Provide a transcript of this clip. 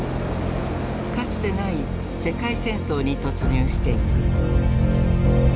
かつてない世界戦争に突入していく。